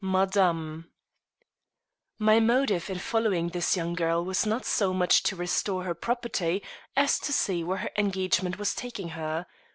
MADAME. My motive in following this young girl was not so much to restore her property, as to see where her engagement was taking her.